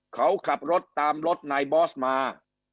เขาขับรถตามรถนายบอสมา